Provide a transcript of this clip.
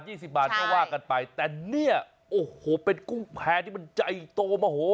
สิบบาทก็ว่ากันไปแต่เนี่ยโอ้โหเป็นกุ้งแพร่ที่มันใหญ่โตโมโห